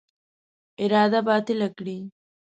اراده باطله کړي.